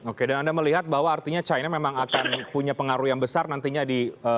oke dan anda melihat bahwa artinya china memang akan punya pengaruh yang besar nantinya di